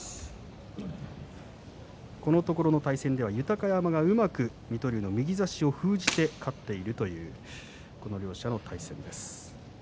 このところの対戦では豊山がうまく水戸龍の右差しを封じて勝っているというこの両者の対戦です。